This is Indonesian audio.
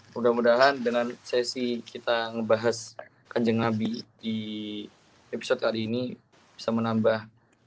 mudah mudahan dengan sesi kita ngebahas kanjeng nabi di episode hari ini bisa menambah